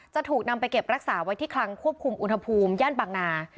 จะถูกนำไปเก็บรักษาไว้ที่คลังควบคุมอุณหภูมิย่านบางนา